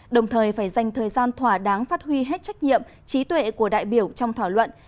đồng thời phải dành thời gian thỏa đáng phát huy hết trách nhiệm trí tuệ của đại biểu trong thỏa luận